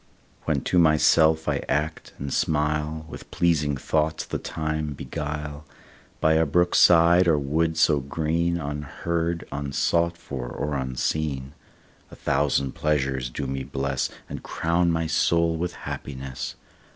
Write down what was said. When to myself I act and smile, With pleasing thoughts the time beguile, By a brook side or wood so green, Unheard, unsought for, or unseen, A thousand pleasures do me bless, And crown my soul with happiness.